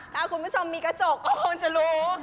ถ้าคุณผู้ชมมีกระจกก็คงจะรู้